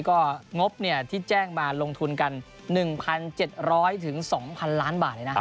ก็งบที่แจ้งมาลงทุนกัน๑๗๐๐๒๐๐ล้านบาทเลยนะ